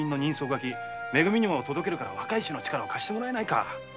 書きめ組にも届けるから若い衆の力を貸してもらえないか？